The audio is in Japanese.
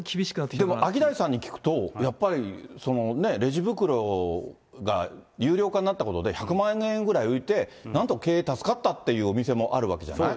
でもアキダイさんに聞くと、やっぱりそのレジ袋が有料化になったことで、１００万円ぐらい浮いて、なんとか経営助かったっていうお店もあるわけじゃない？